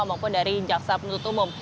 maupun dari jaksa penuntut umum